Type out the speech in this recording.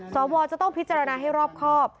สวจะต้องพิจารณาให้รอบครอบ